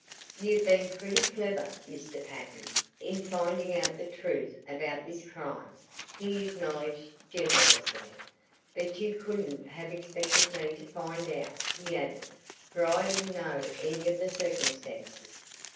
"You've been pretty clever, Mr. Patten, in finding out the truth about this crime," he acknowledged generously. "But you couldn't have expected me to find out," he added, "for I didn't know any of the circumstances.